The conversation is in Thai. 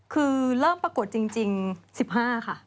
คือเริ่มปรากฏจริง๑๕ค่ะ